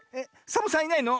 サボさんいないの？